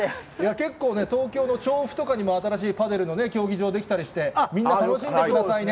結構ね、東京の調布とかにも新しいパデルの競技場出来たりして、みんな、楽しんでくださいね。